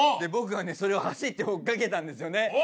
僕はねそれを走って追っ掛けたんですよね。